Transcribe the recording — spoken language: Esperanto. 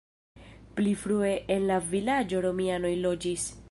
Pli frue en la vilaĝo romianoj loĝis.